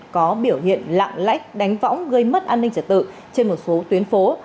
có biểu hiện lạng lách đánh võng gây mất an ninh trật tự trên một số tuyến phố